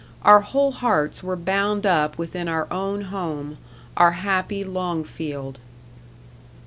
Our whole hearts were bound up within our own home our happy Longfield.